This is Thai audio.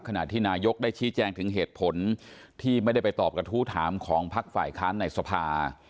ขณะที่นายกได้ชี้แจงถึงเหตุผลที่ไม่ได้ไปตอบกระทู้ถามของพักฝ่ายค้านในสภา